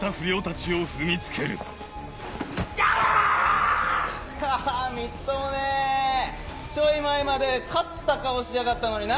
ちょい前まで勝った顔してやがったのにな。